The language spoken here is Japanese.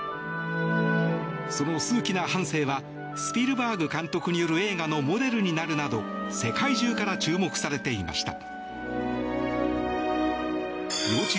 その数奇な半生はスピルバーグ監督による映画のモデルになるなど世界中から注目されていました。